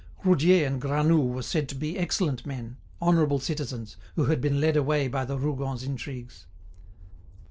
Roudier and Granoux were said to be excellent men, honourable citizens, who had been led away by the Rougons' intrigues.